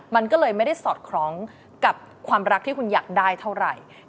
มันก็เลยไม่ได้สอดคล้องกับความรักที่คุณอยากได้เท่าไหร่